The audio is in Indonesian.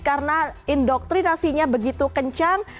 karena indoktrinasinya begitu kencang